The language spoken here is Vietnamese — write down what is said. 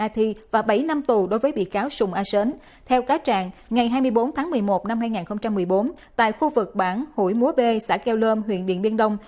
hai mươi bốn tháng một mươi một năm hai nghìn một mươi bốn tại khu vực bản hủy múa bê xã keo lôm huyện điện biên đông